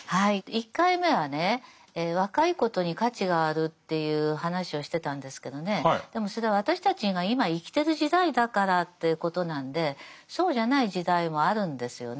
１回目はね若いことに価値があるっていう話をしてたんですけどねでもそれは私たちが今生きてる時代だからということなんでそうじゃない時代もあるんですよね。